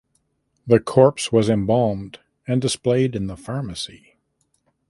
The corpse was embalmed and displayed in the pharmacy.